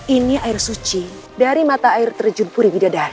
ini air suci dari mata air terjun puri widadari